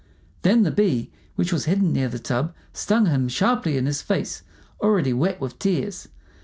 Then the bee which was hidden near the tub stung him sharply in his face, already wet with tears.